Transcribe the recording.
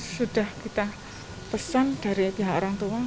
sudah kita pesan dari pihak orang tua